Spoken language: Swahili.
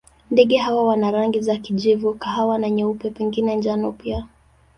Ndege hawa wana rangi za kijivu, kahawa na nyeupe, pengine njano pia.